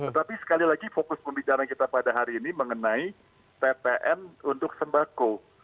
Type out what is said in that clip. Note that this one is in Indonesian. tetapi sekali lagi fokus pembicaraan kita pada hari ini mengenai ppn untuk sembako